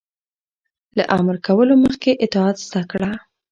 - له امر کولو مخکې اطاعت زده کړه.